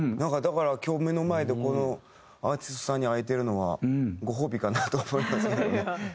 だから今日目の前でこのアーティストさんに会えてるのはご褒美かなと思いますけどね。